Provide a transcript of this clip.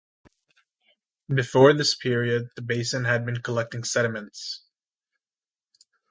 Before this period the basin had been collecting sediments.